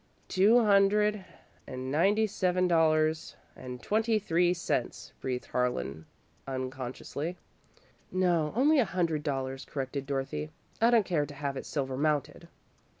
"Two hundred and ninety seven dollars and twenty three cents," breathed Harlan, unconsciously. "No, only a hundred dollars," corrected Dorothy. "I don't care to have it silver mounted."